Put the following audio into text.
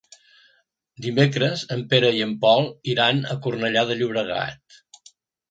Dimecres en Pere i en Pol iran a Cornellà de Llobregat.